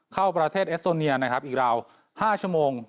เข้าประเทศเอสโซเนียอีกราว๕ชั่วโมง